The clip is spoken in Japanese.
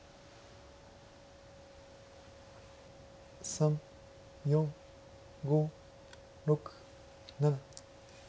３４５６７。